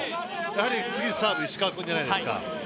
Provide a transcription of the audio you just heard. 次、サーブ、石川君じゃないですか。